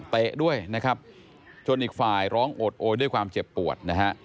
ด้วยนะครับจนอีกฝ่ายร้องโอดโอยด้วยความเจ็บปวดนะฮะ